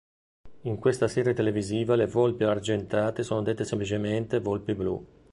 In questa serie televisiva le volpi argentate sono dette semplicemente "volpi blu".